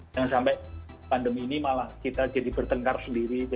karena jangan sampai pandemi ini malah kita jadi bertengkaran dengan orang lainnya ya